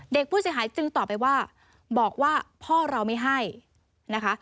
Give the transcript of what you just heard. เด็กผู้เสียหายจึงตอบไปว่าบอกว่าพ่อเราไม่ให้นะคะ